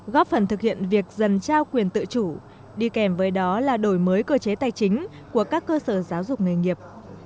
góp phần thực hiện việc dần trao quyền tự chủ đi kèm với đó là đổi mới cơ chế tài chính của các cơ sở giáo dục nghề nghiệp